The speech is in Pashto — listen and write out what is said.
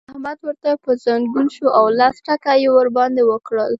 احمد ورته پر ځنګون شو او لس ټکه يې ور باندې وکړل.